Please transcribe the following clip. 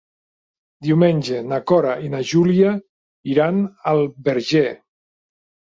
Diumenge na Cora i na Júlia iran al Verger.